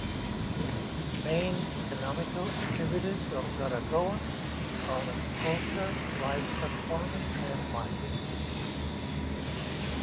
Main economical activities of Garagoa are agriculture, livestock farming and mining.